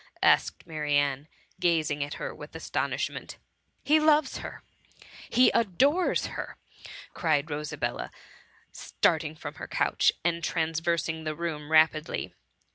asked Marianne, gazing at her with astonishment. '* He loves her ! he adores her !" cried Rosa bella, starting from her couch and traversing the room rapidly.